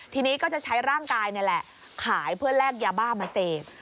ทีนี้ก็จะใช้ร่างกายนี่แหละขายเพื่อแลกยาบ้ามาเสพ